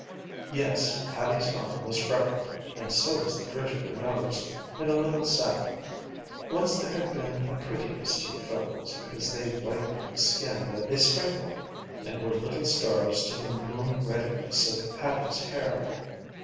Yes, Hattie's arm was freckled, and so was the bridge of her nose, in a little saddle. Once there had been a prettiness to the freckles because they whitened the skin they sprinkled and were little stars to the moon reddiness of Hattie's hair.